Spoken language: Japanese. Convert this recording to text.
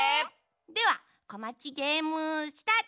では「こまちゲーム」スタート！